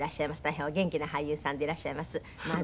大変お元気な俳優さんでいらっしゃいます。